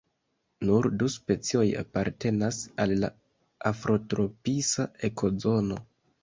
Nur du specioj apartenas al la afrotropisa ekozono.